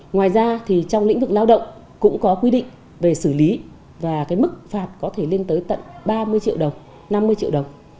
ngoài ra thì trong lĩnh vực lao động cũng có quy định về xử lý và cái mức phạt có thể lên tới tận ba mươi triệu đồng năm mươi triệu đồng